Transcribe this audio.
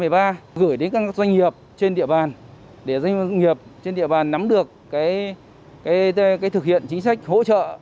và gửi đến các doanh nghiệp trên địa bàn để doanh nghiệp trên địa bàn nắm được thực hiện chính sách hỗ trợ